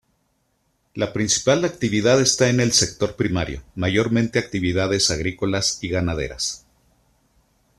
La principal actividad está en el sector primario, mayormente actividades agrícolas y ganaderas.